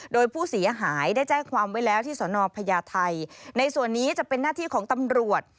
โดยผู้เสียหายได้แจ้งความไว้แล้วที่สนพญาไทยในส่วนนี้จะเป็นหน้าที่ของตำรวจ